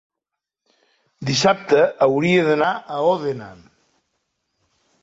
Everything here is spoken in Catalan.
dissabte hauria d'anar a Òdena.